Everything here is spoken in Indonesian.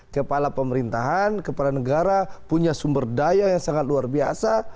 kepala pemerintahan kepala negara punya sumber daya yang sangat luar biasa